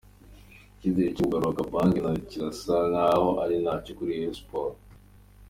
Icyizere cyo kugarura Kabange cyo kirasa nk’aho ari ntacyo kuri Rayon Sport.